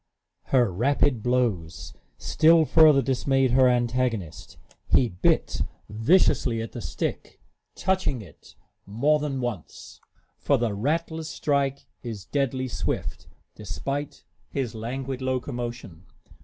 Her rapid blows still further dismayed her antagonist. He bit viciously at the stick, touching it more than once; for the rattler's strike is deadly swift, despite his languid locomotion.